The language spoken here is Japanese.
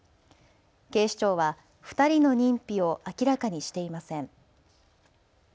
警視庁は２人の認否を明らかにしていません。